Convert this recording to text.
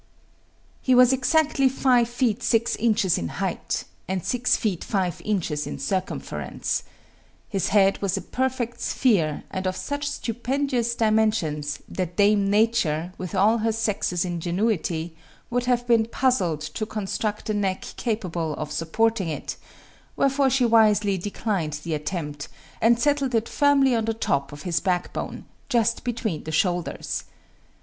He was exactly five feet six inches in height, and six feet five inches in circumference. His head was a perfect sphere, and of such stupendous dimensions, that Dame Nature, with all her sex's ingenuity, would have been puzzled to construct a neck capable of supporting it; wherefore she wisely declined the attempt, and settled it firmly on the top of his backbone, just between the shoulders.